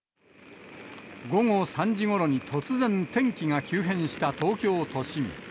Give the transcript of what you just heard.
午後３時ごろに突然、天気が急変した東京都心。